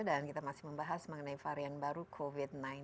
dan kita masih membahas mengenai varian baru covid sembilan belas